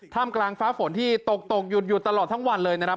กลางฟ้าฝนที่ตกตกหยุดตลอดทั้งวันเลยนะครับ